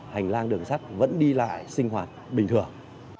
hành lang đường sắt vẫn đi lại sinh hoạt bình thường